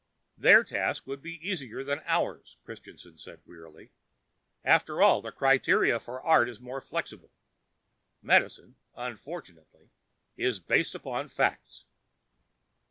"Their task would be easier than ours," Christianson said wearily. "After all, the criteria of art are more flexible. Medicine, unfortunately, is based upon facts."